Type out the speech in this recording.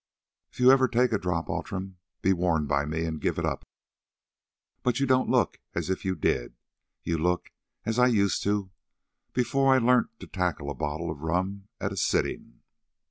If you ever take a drop, Outram, be warned by me and give it up; but you don't look as if you did; you look as I used to, before I learnt to tackle a bottle of rum at a sitting.